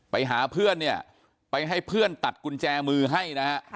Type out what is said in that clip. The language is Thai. ไปหาเพื่อนไปให้เพื่อนตัดกุญแจมือให้